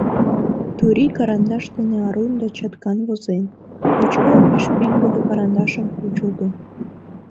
Турий карандаш дене арун да чаткан возен, ручка олмеш пеҥгыде карандашым кучылтын.